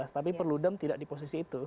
tapi perludem tidak di posisi itu